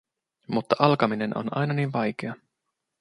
Mutta alkaminen on aina niin vaikea.